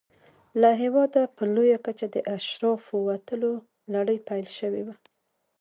له هېواده په لویه کچه د اشرافو وتلو لړۍ پیل شوې وه.